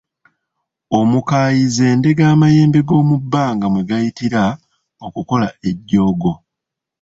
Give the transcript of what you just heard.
Omukaayi z’endege amayembe g’omubbanga mwe gayitira okukola ejjoogo.